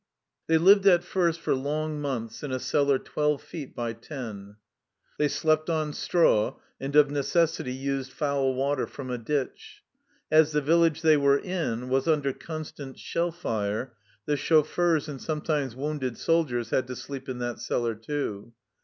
They lived at first for long months in a cellar twelve feet by ten, they slept on straw, and of necessity used foul water from a ditch. As the village they were in was under constant shell fire, the chauffeurs, and sometimes wounded soldiers, had to sleep in that cellar too.